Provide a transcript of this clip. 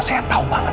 saya tau banget tante